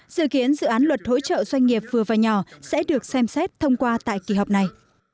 dự kiến dự án luật hỗ trợ doanh nghiệp vừa và nhỏ sẽ được xem xét thông qua tại kỳ họp này